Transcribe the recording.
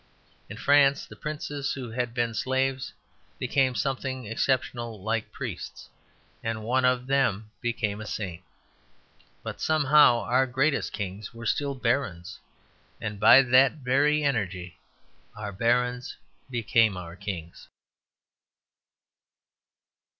In France the princes who had been slaves became something exceptional like priests; and one of them became a saint. But somehow our greatest kings were still barons; and by that very energy our barons became our kings.